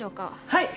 はい！